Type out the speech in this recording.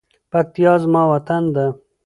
پکتیکا زما وطن ده.